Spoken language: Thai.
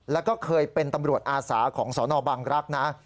แล้วก็เคยเป็นตำรวจอาสาของสนบังรักษ์นะ